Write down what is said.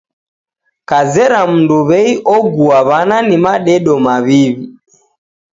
Kezera mundu w'ei ogua w'ana ni madedo maw'iwi.